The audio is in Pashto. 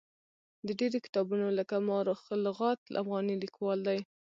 د ډېرو کتابونو لکه ما رخ لغات افغاني لیکوال دی.